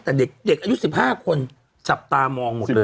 แต่เด็กอายุ๑๕คนจับตามองหมดเลย